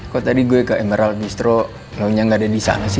kok tadi gue ke emerald bistro lo nyang ada di sana sih